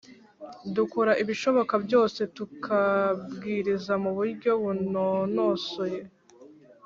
dukora ibishoboka byose ‘tukabwiriza mu buryo bunonosoye